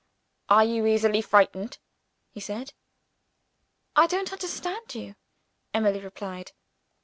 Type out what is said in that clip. "Are you easily frightened?" he said "I don't understand you," Emily replied.